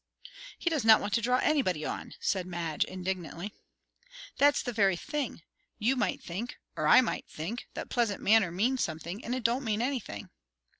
"He does not want to draw anybody on!" said Madge indignantly. "That's the very thing. You might think or I might think that pleasant manner means something; and it don't mean anything."